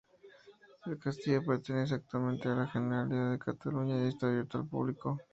El castillo pertenece actualmente a la Generalidad de Cataluña y está abierto al público.